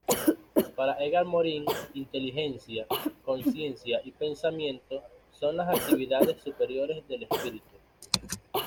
Para Edgar Morin, inteligencia, consciencia y pensamiento son las actividades superiores del espíritu.